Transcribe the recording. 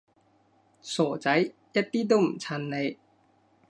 傻仔，一啲都唔襯你